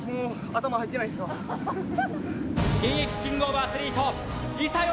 現役キングオブアスリート伊佐嘉矩